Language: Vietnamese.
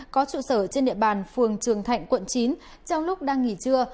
có trụ sở trên địa bàn phường trường thạnh quận chín trong lúc đang nghỉ trưa